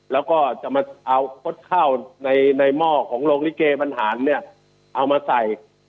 แล้วก็จะมาเอาคดข้าวในหม้อของโรงลิเกบรรหารเนี่ยเอามาใส่